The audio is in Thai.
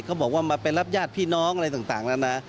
เขาบอกว่ามาไปรับญาติพี่น้องอะไรต่างแล้วนะ